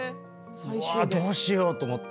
うわどうしようと思って。